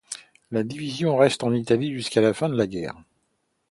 La Division reste en Italie jusqu'à la fin de la guerre.